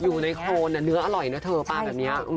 อยู่ในโคนเนื้ออร่อยนะเธอปลาแบบนี้